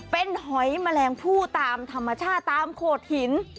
เป็นหอยแมลงผู้ตามธรรมชาติตามโขดหิน